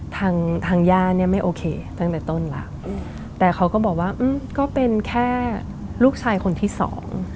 ทางทางย่าเนี่ยไม่โอเคตั้งแต่ต้นแล้วแต่เขาก็บอกว่าอืมก็เป็นแค่ลูกชายคนที่สอง